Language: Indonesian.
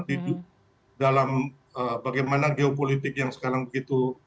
hidup dalam bagaimana geopolitik yang sekarang begitu